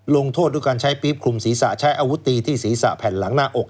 โทษด้วยการใช้ปี๊บคลุมศีรษะใช้อาวุธตีที่ศีรษะแผ่นหลังหน้าอก